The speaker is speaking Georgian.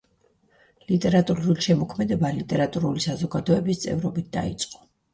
ლიტერატურული შემოქმედება ლიტერატურული საზოგადოების წევრობით დაიწყო.